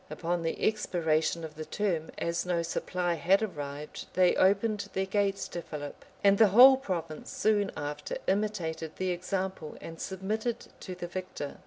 Upon the expiration of the term, as no supply had arrived, they opened their gates to Philip;[*] and the whole province soon after imitated the example, and submitted to the victor.